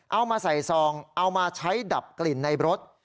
เอามาใส่ซองเอามาใช้ดับกลิ่นในรถ